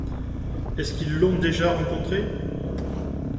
Est-ce qu’ils l’ont déjà rencontré ?